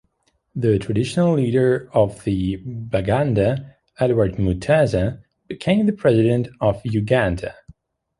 The traditional leader of the Baganda, Edward Mutesa, became president of Uganda.